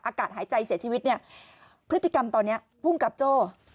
อากาศหายใจเสียชีวิตเนี่ยพฤติกรรมตอนนี้ภูมิกับโจ้